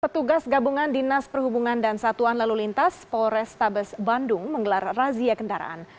petugas gabungan dinas perhubungan dan satuan lalu lintas polrestabes bandung menggelar razia kendaraan